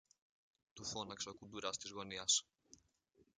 του φώναξε ο κουντουράς της γωνιάς.